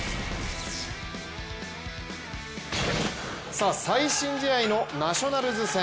さあ、最新試合のナショナルズ戦。